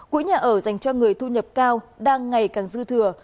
quỹ nhà ở dành cho người thu nhập cao đang ngày càng dư thừa